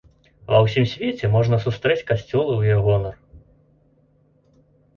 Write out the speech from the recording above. Ва ўсім свеце, можна сустрэць касцёлы ў яе гонар.